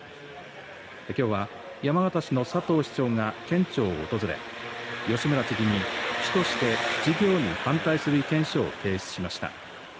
きょうは山形市の佐藤市長が県庁を訪れ吉村知事に市として事業に反対する意見書を提出しました。